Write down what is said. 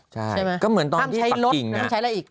ใช่ห้ามใช้รถต้องใช้อะไรอีก